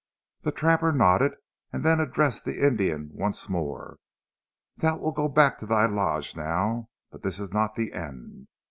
The trapper nodded and then addressed the Indian once more. "Thou wilt go back to thy lodge now, but this is not the end.